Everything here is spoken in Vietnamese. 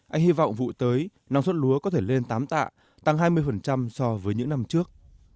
anh hy vọng vụ tới năng suất lúa có thể lên tám tạ tăng hai mươi so với những năm trước